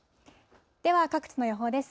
では各地の予報です。